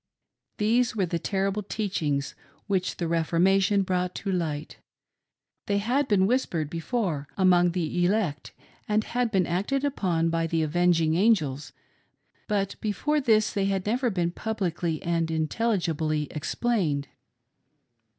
These were the terrible teachings which the "Reformation" brought to light: — they had been whispered before among the elect, and had been acted upon by the "Avenging Angels," but before this they had never been publicly and intelligibly explained.